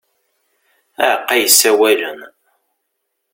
Aɛeqqa yessawalen.